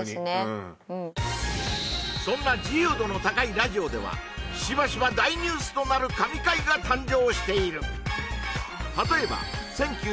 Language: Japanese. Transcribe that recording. うんそんな自由度の高いラジオではしばしば大ニュースとなる神回が誕生している